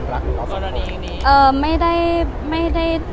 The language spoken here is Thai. ในกรณีอีกนี้